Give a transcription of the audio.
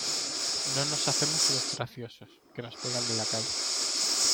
No nos hacemos los graciosos, que nos pegan en la calle.